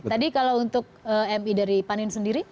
tadi kalau untuk mi dari panin sendiri